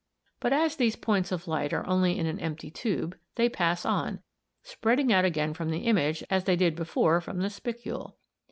But as these points of light are only in an empty tube, they pass on, spreading out again from the image, as they did before from the spicule.